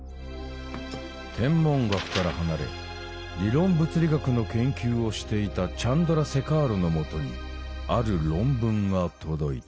天文学から離れ理論物理学の研究をしていたチャンドラセカールのもとにある論文が届いた。